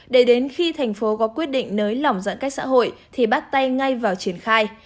để đến khi thành phố có quyết định nới lỏng giãn cách xã hội thì bắt tay ngay vào triển khai